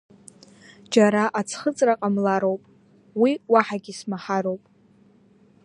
Џьара аӡхыҵра ҟамлароуп, уи уаҳагьы исмаҳароуп!